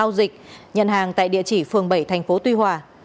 hậu đã giao dịch nhận hàng tại địa chỉ phường bảy tp tuy hòa